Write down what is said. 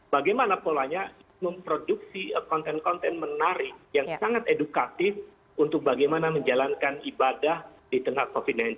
bagaimana polanya memproduksi konten konten menarik yang sangat edukatif untuk bagaimana menjalankan ibadah di tengah covid sembilan belas